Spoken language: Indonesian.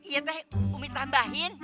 ya umi umi tambahkan